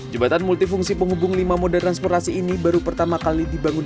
jembatan multifungsi penghubung lima moda transportasi ini baru pertama kali dibangun